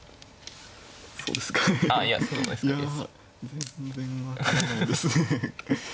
全然分からないですね。